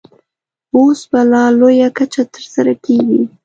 اوس په لا لویه کچه ترسره کېږي.